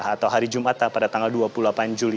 atau hari jumat pada tanggal dua puluh delapan juli